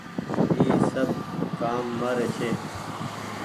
اي سب ڪآم مآري ڇي۔